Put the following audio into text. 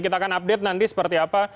kita akan update nanti seperti apa